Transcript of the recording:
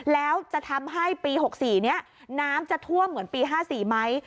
แล้วจะทำให้ปี๖๔นี้น้ำจะท่วมเหมือนปี๕๔ไหม